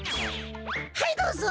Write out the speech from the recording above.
はいどうぞ！